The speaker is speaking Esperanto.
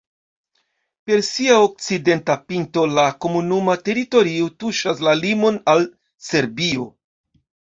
Per sia okcidenta pinto la komunuma teritorio tuŝas la limon al Serbio.